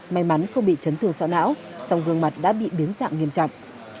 may mắn không bị trấn thường sọ não song gương mặt đã bị biến dạng nghiêm trọng